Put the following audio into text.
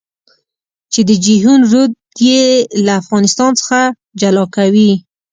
چې د جېحون رود يې له افغانستان څخه جلا کوي.